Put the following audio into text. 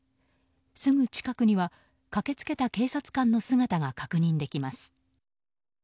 すぐ近くには駆けつけた警察官の姿が確認できます。